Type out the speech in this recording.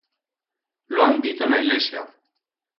Lo han dito en a ilesia.